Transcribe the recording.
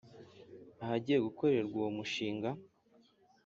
ahagiye gukorerwa uwo mushinga.